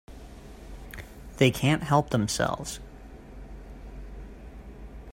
They can't help themselves.